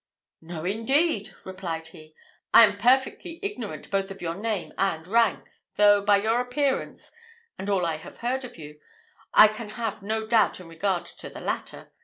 "No, indeed!" replied he; "I am perfectly ignorant both of your name and rank, though, by your appearance, and by all I have heard of you, I can have no doubt in regard to the latter.